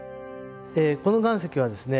この岩石はですね